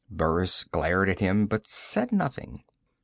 Burris glared at him, but said nothing.